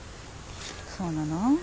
そうなの？